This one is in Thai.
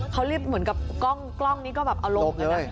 เขารีบเหมือนกับกล้องนี้ก็แบบเอาลบเลย